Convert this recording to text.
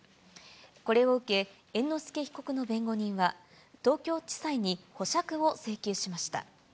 これを受け、猿之助被告の弁護人は東京地裁に保釈を請求しました。